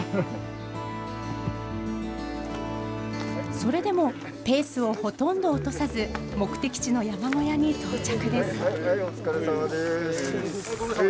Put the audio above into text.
それでもペースをほとんど落とさず、目的地の山小屋に到着でお疲れさまです。